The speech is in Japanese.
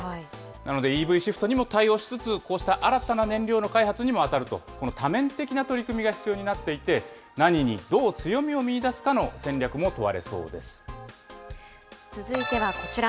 なので、ＥＶシフトにも対応しつつ、こうした新たな燃料の開発にも当たると、この多面的な取り組みが必要になっていて、何にどう強みを見いだすかの戦略も問われ続いてはこちら。